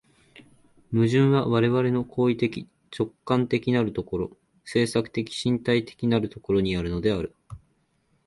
矛盾は我々の行為的直観的なる所、制作的身体的なる所にあるのである。